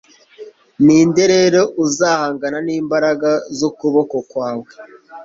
ni nde rero uzahangana n'imbaraga z'ukuboko kwawe